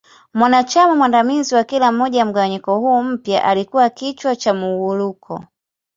Mwanachama mwandamizi wa kila moja ya mgawanyiko huu mpya alikua kichwa cha Muwuluko.